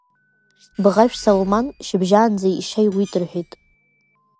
Бӷажә Салуман шьыбжьаанӡа ишьа иуит рҳәеит.